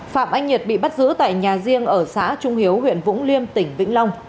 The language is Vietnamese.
phạm anh nhật bị bắt giữ tại nhà riêng ở xã trung hiếu huyện vũng liêm tỉnh vĩnh long